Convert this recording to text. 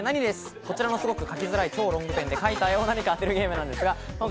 こちらのすごく描きづらいロングペンで描いた絵を当てるゲームです。